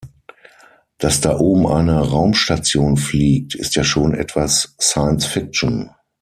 Dass da oben eine Raumstation fliegt, ist ja schon etwas Sciencefiction.